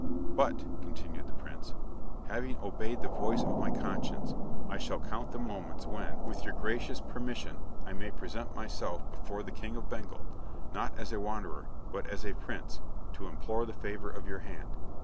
"But," continued the prince, "having obeyed the voice of my conscience, I shall count the moments when, with your gracious permission, I may present myself before the King of Bengal, not as a wanderer, but as a prince, to implore the favour of your hand.